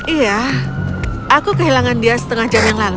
iya aku kehilangan dia setengah jam yang lalu